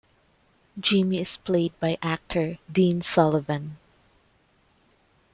Jimmy is played by actor Dean Sullivan.